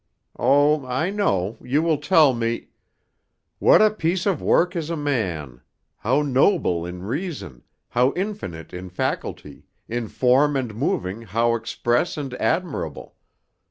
Oh, I know; you will tell me, "'What a piece of work is a man! How noble in reason! how infinite in faculty! in form and moving how express and admirable!